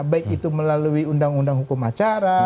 baik itu melalui undang undang hukum acara